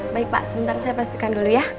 baik pak sebentar saya pastikan dulu ya